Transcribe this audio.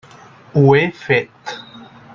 Ho he fet.